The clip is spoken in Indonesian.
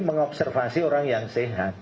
mengobservasi orang yang sehat